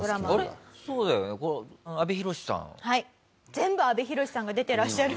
全部阿部寛さんが出てらっしゃる。